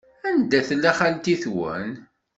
Anda tella xalti-twen?